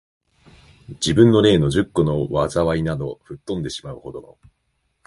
自分の例の十個の禍いなど、吹っ飛んでしまう程の、